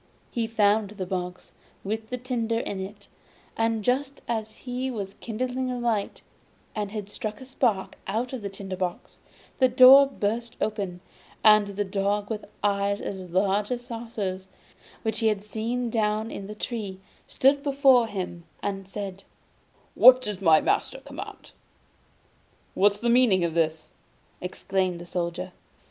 He found the box with the tinder in it; but just as he was kindling a light, and had struck a spark out of the tinder box, the door burst open, and the dog with eyes as large as saucers, which he had seen down in the tree, stood before him and said: 'What does my lord command?' 'What's the meaning of this?' exclaimed the Soldier.